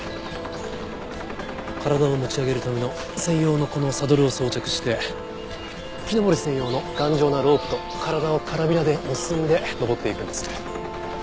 体を持ち上げるための専用のこのサドルを装着して木登り専用の頑丈なロープと体をカラビナで結んで登っていくんです。